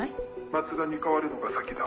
松田に代わるのが先だ。